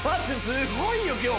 すごいよ今日。